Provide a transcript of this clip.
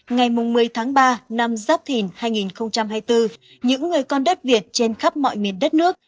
ngày một mươi tháng ba năm giáp thìn hai nghìn hai mươi bốn những người con đất việt trên khắp mọi miền đất nước